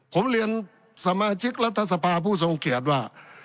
ผมเรียนสมาชิกรัฐสภาผู้ทรงเกียจว่า